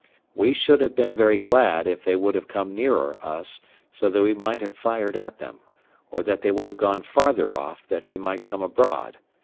We should have been very glad if they would have come nearer us, so that we might have fired at them, or that they would have gone farther off, that we might come abroad.